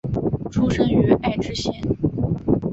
出身于爱知县。